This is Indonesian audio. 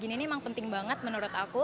kayak gini nih emang penting banget menurut aku